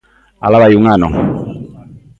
Alá vai un ano!